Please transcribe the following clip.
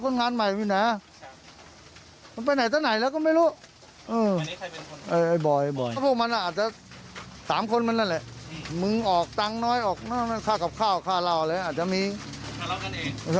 คนงานใหม่มีไหนฮะมันไปไหนแล้วก็ไม่รู้อือ